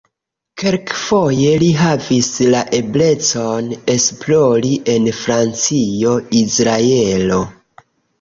Kelkfoje li havis la eblecon esplori en Francio, Izraelo.